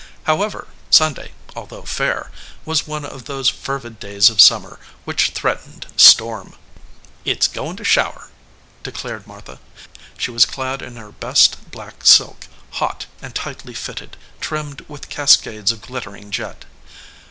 However, Sunday, although fair, was one of those fervid days of summer which threatened storm. "It s goin to shower," declared Martha. She was clad in her best black silk, hot, and tightly fitted, trimmed with cascades of glittering jet.